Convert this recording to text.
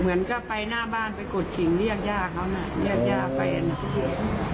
เหมือนก็ไปหน้าบ้านไปกดกิ่งเรียกย่าเขาน่ะเรียกย่าแฟนอ่ะ